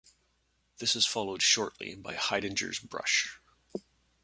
This is followed shortly by Haidinger's brush.